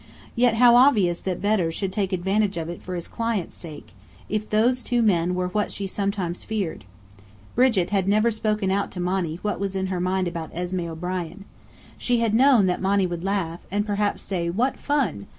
Yet how obvious that Bedr should take advantage of it for his clients' sake, if those two men were what she sometimes feared! Brigit had never spoken out to Monny what was in her mind about Esmé O'Brien. She had known that Monny would laugh, and perhaps say "What fun!"